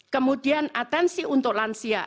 kemudian atensi untuk lansia